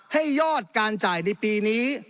ยอดการจ่ายในปีนี้